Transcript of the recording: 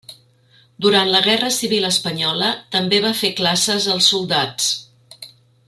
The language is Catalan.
Durant la guerra civil espanyola també va fer classes als soldats.